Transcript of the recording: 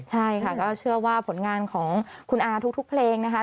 ใช่ค่ะก็เชื่อว่าผลงานของคุณอาทุกเพลงนะคะ